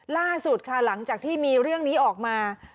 ล่าสุดค่ะหลังจากที่มีเรื่องนี้ออกมา